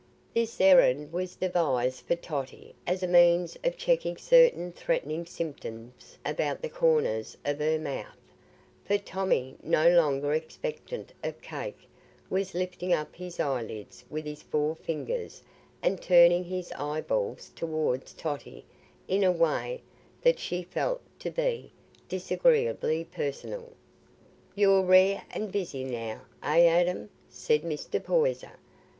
This errand was devised for Totty as a means of checking certain threatening symptoms about the corners of the mouth; for Tommy, no longer expectant of cake, was lifting up his eyelids with his forefingers and turning his eyeballs towards Totty in a way that she felt to be disagreeably personal. "You're rare and busy now—eh, Adam?" said Mr. Poyser.